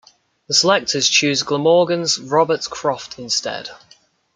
The selectors chose Glamorgan's Robert Croft instead.